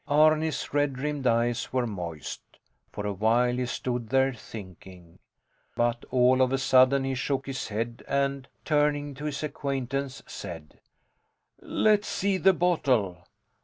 Arni's red rimmed eyes were moist. For a while he stood there thinking. But all of a sudden he shook his head and, turning to his acquaintance, said: Let's see the bottle.